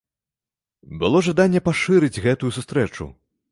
Было жаданне пашырыць гэту сустрэчу.